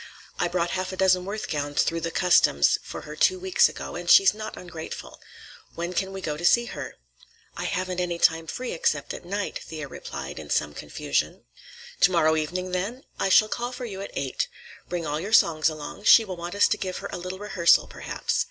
I brought half a dozen Worth gowns through the customs for her two weeks ago, and she's not ungrateful. When can we go to see her?" "I haven't any time free, except at night," Thea replied in some confusion. "To morrow evening, then? I shall call for you at eight. Bring all your songs along; she will want us to give her a little rehearsal, perhaps.